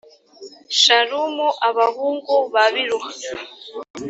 shalumu abahungu ba biluha